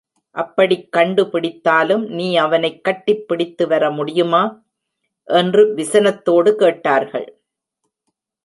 அப்படிக் கண்டுபிடித்தாலும் நீ அவனைக் கட்டிப் பிடித்துவர முடியுமா? என்று விசனத்தோடு கேட்டார்கள்.